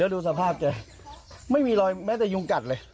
ดูสภาพแกไม่มีรอยแม้แต่ยุงกัดเลย